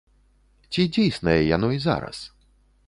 Ці дзейснае яно і зараз?